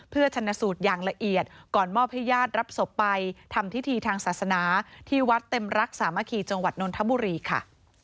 เพื่อชนะสูตรอย่างละเอียดก่อนมอบให้ญาติรับศพไปทำพิธีทางศาสนาที่วัดเต็มรักสามัคคีจังหวัดนนทบุรีค่ะ